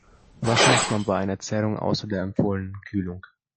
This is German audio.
Was macht man bei einer Zerrung, außer der empfohlenen Kühlung?